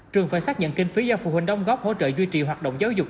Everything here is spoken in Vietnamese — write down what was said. trường phải xác nhận kinh phí do phụ huynh đóng góp hỗ trợ duy trì hoạt động giáo dục